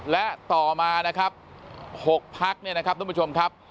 และต่อมานะครับ๖พักเนี่ยนะครับทุกผู้ชมครับ